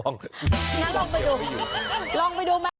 งั้นลองไปดูลองไปดูไหม